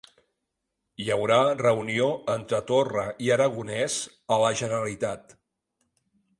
Hi haurà reunió entre Torra i Aragonès a la Generalitat